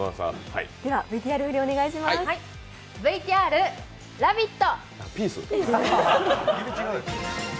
ＶＴＲ、ラヴィット！。